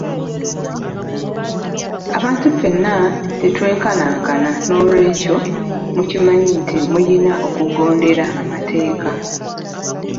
Abantu ffenna tetwenkanankana nolwekyo mukimanye nti muyina okugondera amateeka.